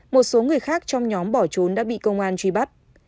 một số người khác trong nhóm bỏ trốn đã bị công an truy bắt